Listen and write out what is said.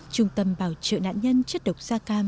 trung tâm bảo trợ nạn nhân chất độc da cam